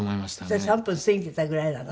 それは３分過ぎてたぐらいなの？